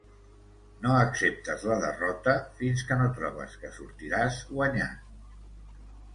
No acceptes la derrota fins que no trobes que sortiràs guanyant.